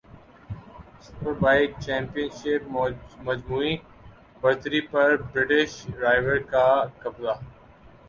superbike championship مجموعی برتری پر برٹش رائیور کاقبضہ